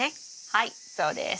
はいそうです。